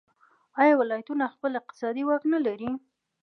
آیا ولایتونه خپل اقتصادي واک نلري؟